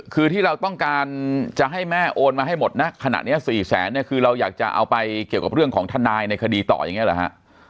คือที่เราต้องการจะให้แม่โอนมาให้หมดนะขณะนี้๔แสนเนี่ยคือเราอยากจะเอาไปเกี่ยวกับเรื่องของทนายในคดีต่ออย่างนี้เหรอฮะ